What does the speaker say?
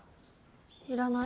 いらない。